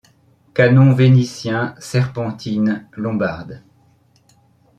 Canons vénitiens, serpentines lombardes ;